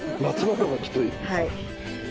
はい。